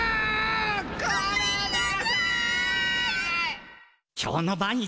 ごめんなさい。